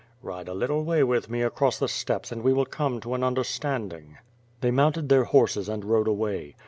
"Ride a little way with me across the steppes and we will come to an understanding." Tliey mounted their horses and rode away.